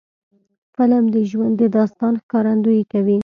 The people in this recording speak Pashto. فلم د ژوند د داستان ښکارندویي کوي